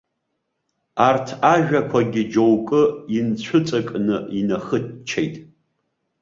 Арҭ ажәақәагьы џьоукы, инцәыҵакны инахыччеит.